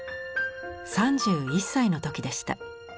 ３１歳の時でした。